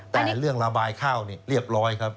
แต่เรื่องระบายข้าวนี่เรียบร้อยครับ